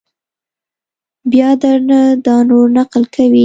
بیا در نه دا نور نقل کوي!